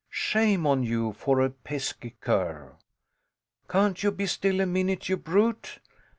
Shame on you for a pesky cur! Can't you be still a minute, you brute?